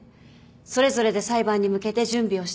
それぞれで裁判に向けて準備をしてほしい。